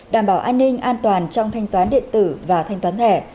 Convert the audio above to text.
đảm bảo an ninh an toàn trong thanh toán điện tử và thanh toán thẻ